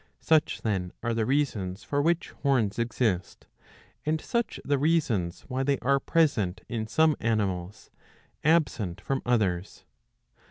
Such then are the reasons for which horns exist ; and such the reasons why they are present in some animals, absent from others.